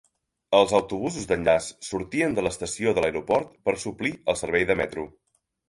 Els autobusos d'enllaç sortien de l'estació de l'aeroport per suplir el servei de metro.